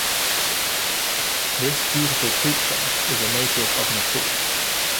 This beautiful creature is a native of Nepal.